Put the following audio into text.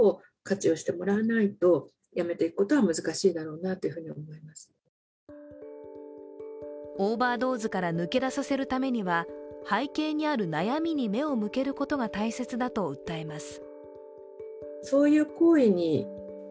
オーバードーズの危険性について専門家はオーバードーズから抜け出させるためには背景にある悩みに目を向けることが大切だと訴えます。